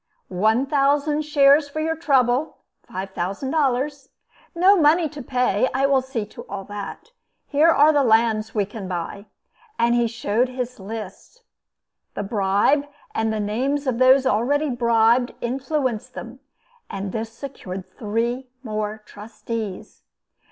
One thousand shares for your trouble five thousand dollars. No money to pay I will see to all that. Here are the lands we can buy," and he showed his lists. The bribe, and the names of those already bribed, influenced them, and this secured three more trustees.